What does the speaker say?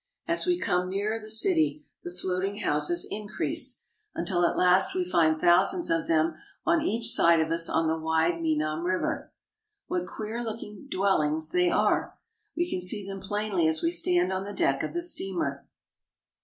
As we come nearer the city, the floating houses increase, until at last we find thousands of them on each side of us on the wide Menam River. What queer looking dwellings they are ! We can see them plainly as we stand on the deck of the steamer.